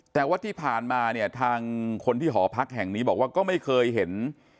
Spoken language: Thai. แต่ว่าที่ผ่านมาเนี่ยทางคนที่หอพักแห่งนี้บอกว่าก็ไม่เคยเห็น